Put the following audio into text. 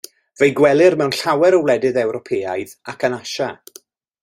Fe'i gwelir mewn llawer o wledydd Ewropeaidd ac yn Asia.